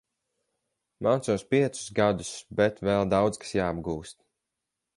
Mācos piecus gadus, bet vēl daudz kas jāapgūst.